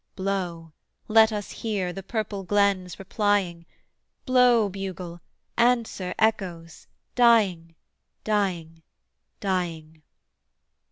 Blow, let us hear the purple glens replying: Blow, bugle; answer, echoes, dying, dying, dying.